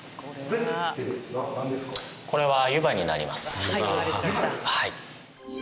これは湯葉になります。